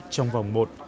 trong vòng một